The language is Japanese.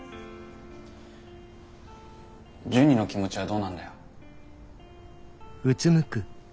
ジュニの気持ちはどうなんだよ。